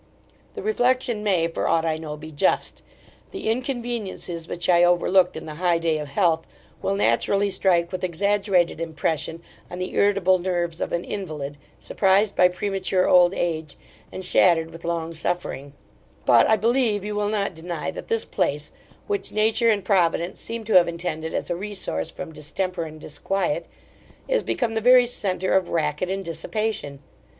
The reflection may, for aught I know, be just. The inconveniences which I overlooked in the high day of health, will naturally strike with exaggerated impression on the irritable nerves of an invalid, surprised by premature old age, and shattered with long suffering But, I believe, you will not deny, that this place, which Nature and Providence seem to have intended as a resource from distemper and disquiet, is become the very centre of racket and dissipation.